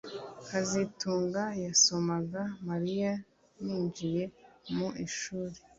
kazitunga yasomaga Mariya ninjiye mu ishuri